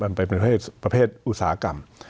มันเป็นประเภทอุตสาหกรรม